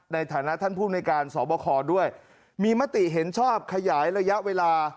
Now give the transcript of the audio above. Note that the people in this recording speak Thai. ในฐานะท่านผู้ในการสอบคอด้วยมีมติเห็นชอบขยายระยะเวลา